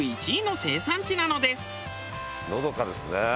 のどかですね